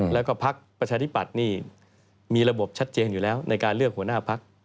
แล้วก็พักประชาธิปัตย์นี่มีระบบชัดเจนอยู่แล้วในการเลือกหัวหน้าพัก